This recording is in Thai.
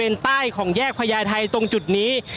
ก็น่าจะมีการเปิดทางให้รถพยาบาลเคลื่อนต่อไปนะครับ